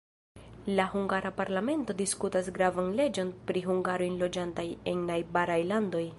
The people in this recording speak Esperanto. La hungara parlamento diskutas gravan leĝon pri hungaroj loĝantaj en najbaraj landoj.